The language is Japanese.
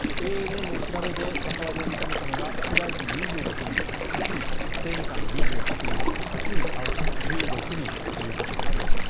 ＡＮＮの調べで関わりを認めたのが副大臣２６人中８人政務官２８人中８人合わせて１６人となりました。